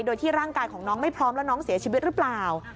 โดยที่ร่างกายของน้องไม่พร้อมแล้วน้องเสียชีวิตหรือเปล่า